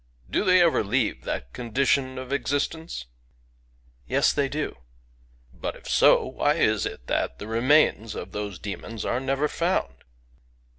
—<< Do they erer leave that condidoo of existence ?— "Yes, they do." — <<But, if so, why is it that the remains of those demons are nerer found?"